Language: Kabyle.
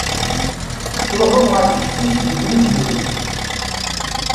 Tettruḥuḍ ɣer teftist deg unebdu.